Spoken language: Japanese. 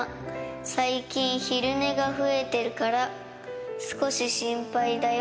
最近、昼寝が増えてるから、少し心配だよ。